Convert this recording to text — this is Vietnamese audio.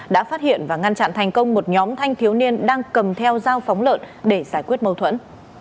đã phát hiện và ngăn chặn thành công một nhóm thanh thiếu niên đang cầm theo dao phóng lợn để giải quyết mâu thuẫn